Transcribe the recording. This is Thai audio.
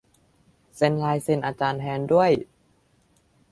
เซ็นลายเซ็นอาจารย์แทนด้วย !